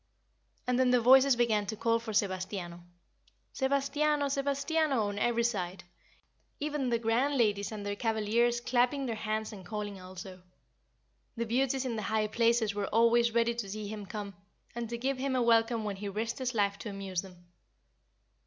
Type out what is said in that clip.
And then the voices began to call for Sebas tiano. "Sebastiano! Sebastiano!" on every side even the grand ladies and their cavaliers clapping their hands and calling also. The beauties in the high places were always ready to see him come, and to give him a welcome when he risked his life to amuse them.